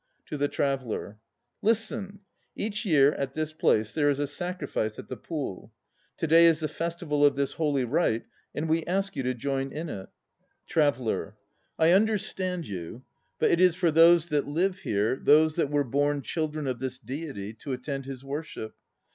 (To the TRAVELLER.) Listen. Each year at this place there is a sacrifice at the Pool. To day is the festival of this holv rite, and we ask you to join in it. TRAVELLER. I understand you. But it is for those that live here, those that were born children of this Deity, to attend his worship.